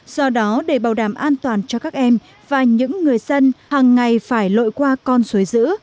do đó để bảo đảm an toàn cho các em và những người dân hàng ngày phải lội qua con suối dữ